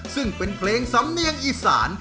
ซึ่งเป็นเพลงสำเนียงอีสาน